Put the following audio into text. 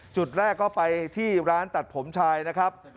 จุดแรกก็ไปที่ร้านตัดผมชายนะครับ